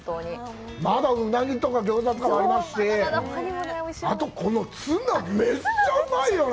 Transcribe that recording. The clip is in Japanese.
まだ、ウナギとか、餃子とかもありますし、あとこのツナ、めっちゃうまいよね！